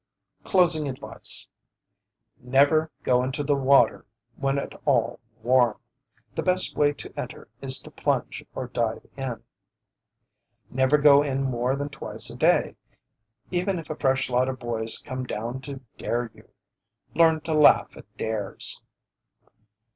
CLOSING ADVICE Never go into the water when at all warm. The best way to enter is to plunge or dive in. Never go in more than twice a day, even if a fresh lot of boys come down to "dare" you. Learn to laugh at dares.